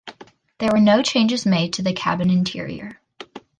There were no changes made to the cabin interior.